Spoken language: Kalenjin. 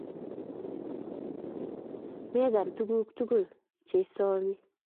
Meagan tuguk tugul cheisomani